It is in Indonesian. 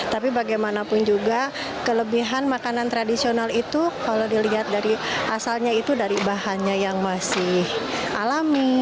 tapi bagaimanapun juga kelebihan makanan tradisional itu kalau dilihat dari asalnya itu dari bahannya yang masih alami